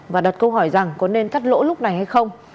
và đặt câu hỏi rằng có nên cắt lỗ lúc này hay không